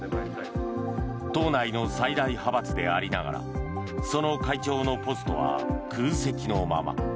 党内の最大派閥でありながらその会長のポストは空席のまま。